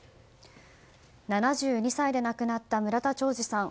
７２歳で亡くなった村田兆治さん。